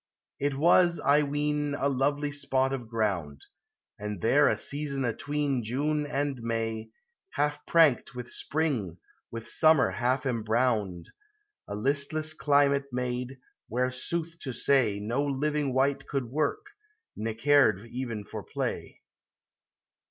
It was, I ween, a lovely spot of ground ; And there a season at ween June and May, Half prankt with spring, with summer half embrowned, A listless climate made, where, sooth to say, "No living wight could work, ne cared even for play.